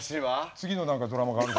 次の何かドラマがある。